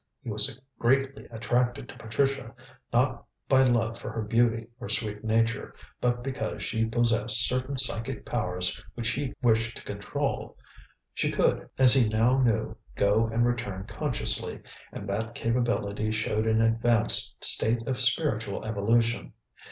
He was greatly attracted to Patricia, not by love for her beauty or sweet nature, but because she possessed certain psychic powers which he wished to control. She could, as he now knew, go and return consciously, and that capability showed an advanced state of spiritual evolution.